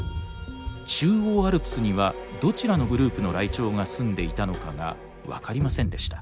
中央アルプスにはどちらのグループのライチョウがすんでいたのかが分かりませんでした。